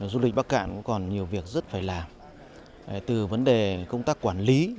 du lịch bắc cạn còn nhiều việc rất phải làm từ vấn đề công tác quản lý